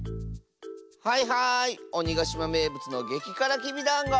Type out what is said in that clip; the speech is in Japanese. はいはいおにがしまめいぶつのげきからきびだんご。